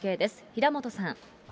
平本さん。